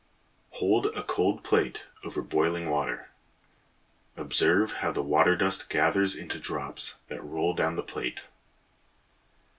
Hold a cold plate over boiling water. Observe how the water dust gathers into drops that roll down the plate.